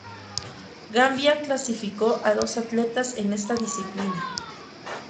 Gambia clasificó a dos atletas en esta disciplina.